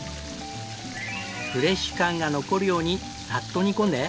フレッシュ感が残るようにサッと煮込んで。